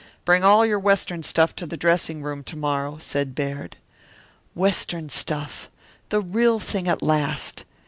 "Bring all your Western stuff to the dressing room tomorrow," said Baird. Western stuff the real thing at last!